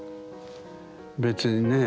別にね